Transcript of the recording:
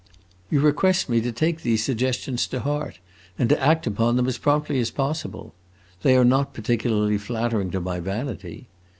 You request me to take these suggestions to heart and to act upon them as promptly as possible. They are not particularly flattering to my vanity.